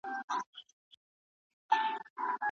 د صنعتي ټولنې راتلونکې به څنګه وي؟